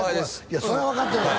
いやそれは分かってるよ